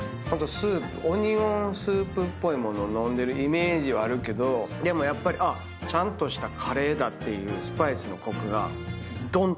オニオンスープっぽい物飲んでるイメージはあるけどでもやっぱりあっちゃんとしたカレーだっていう。